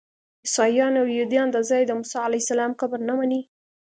عیسویان او یهودیان دا ځای د موسی علیه السلام قبر نه مني.